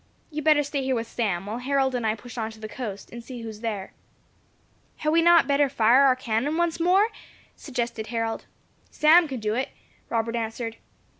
You had better stay here with Sam, while Harold and I push on to the coast, and see who is there." "Had we not better fire our cannon once more!" suggested Harold. "Sam can do it," Robert answered.